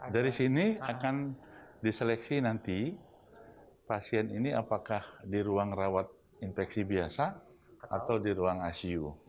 dari sini akan diseleksi nanti pasien ini apakah di ruang rawat infeksi biasa atau di ruang icu